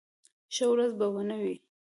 ښه ورځ به و نه وي.